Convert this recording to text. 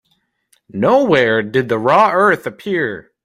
Nowhere did the raw earth appear.